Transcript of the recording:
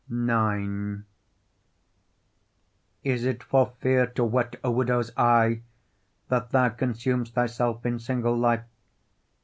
IX Is it for fear to wet a widow's eye, That thou consum'st thyself in single life?